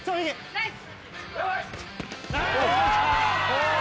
ナイス！